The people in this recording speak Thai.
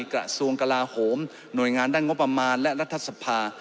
กระทรวงกลาโหมหน่วยงานด้านงบประมาณและรัฐสภา